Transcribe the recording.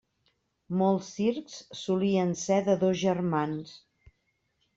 Molts circs solien ser de dos germans.